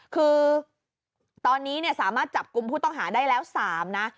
คือตอนนี้สามารถจับกลุ่มผู้ต้องหาได้แล้ว๓นะ